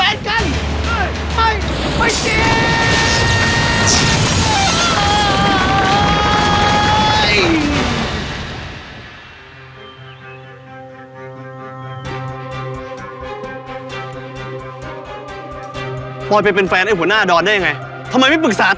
มึงพูดจริงใช่มั้ย